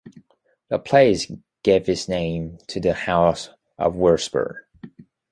The place gave its name to the house of Wirsberg.